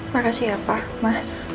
makasih ya pak ma